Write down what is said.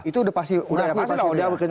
itu udah pasti udah pasti